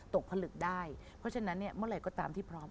ผลึกได้เพราะฉะนั้นเนี่ยเมื่อไหร่ก็ตามที่พร้อม